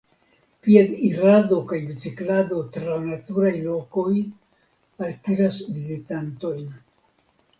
Piedirado kaj biciklado tra naturaj lokoj altiras vizitantojn.